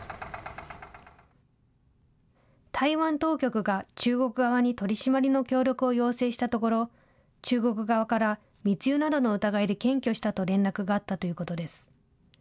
台湾当局が中国側に取締りの協力を要請したところ、中国側から密輸などの疑いで検挙したと連絡があったということです。